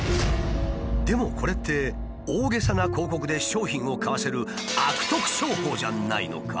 でもこれって大げさな広告で商品を買わせる悪徳商法じゃないのか？